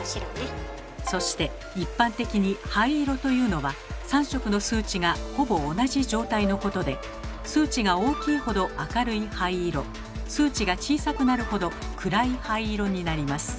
そして一般的に灰色というのは３色の数値がほぼ同じ状態のことで数値が大きいほど明るい灰色数値が小さくなるほど暗い灰色になります。